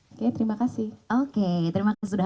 oke terima kasih oke terima kasih sudah